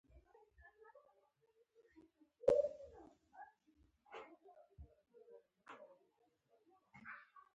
هم یې د وهلو او ټکولو په باره کې ترې پوښتنه وکړه.